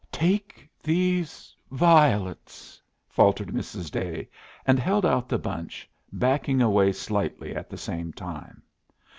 "Take these violets," faltered Mrs. Day, and held out the bunch, backing away slightly at the same time.